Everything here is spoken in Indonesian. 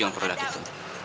dengan produk itu